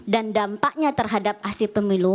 dan dampaknya terhadap hasil pemilu